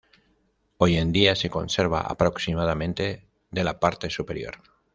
Hoy en día, se conserva aproximadamente de la parte superior.